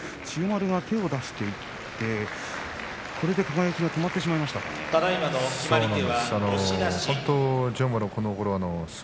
千代丸が手を出していってこれで輝が止まってしまいましたかね。